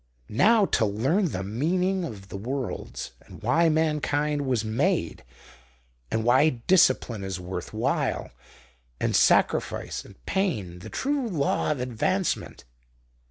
Now to learn the meaning of the worlds, and why mankind was made, and why discipline is worth while, and sacrifice and pain the true law of advancement."